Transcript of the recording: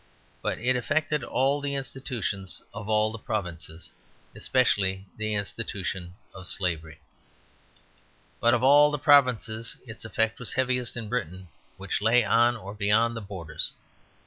But it affected all the institutions of all the provinces, especially the institution of Slavery. But of all the provinces its effect was heaviest in Britain, which lay on or beyond the borders.